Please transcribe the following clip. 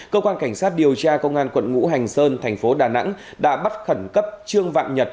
cơ quan cảnh sát điều tra công an quận ngũ hành sơn thành phố đà nẵng đã bắt khẩn cấp trương vạn nhật